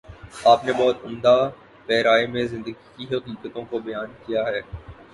آپ نے بہت عمدہ پیراۓ میں زندگی کی حقیقتوں کو بیان کیا ہے۔